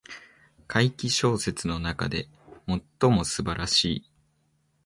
怪奇小説の中で最も素晴らしい